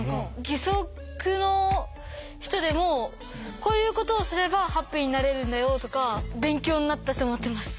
義足の人でもこういうことをすればハッピーになれるんだよとか勉強になったと思ってます。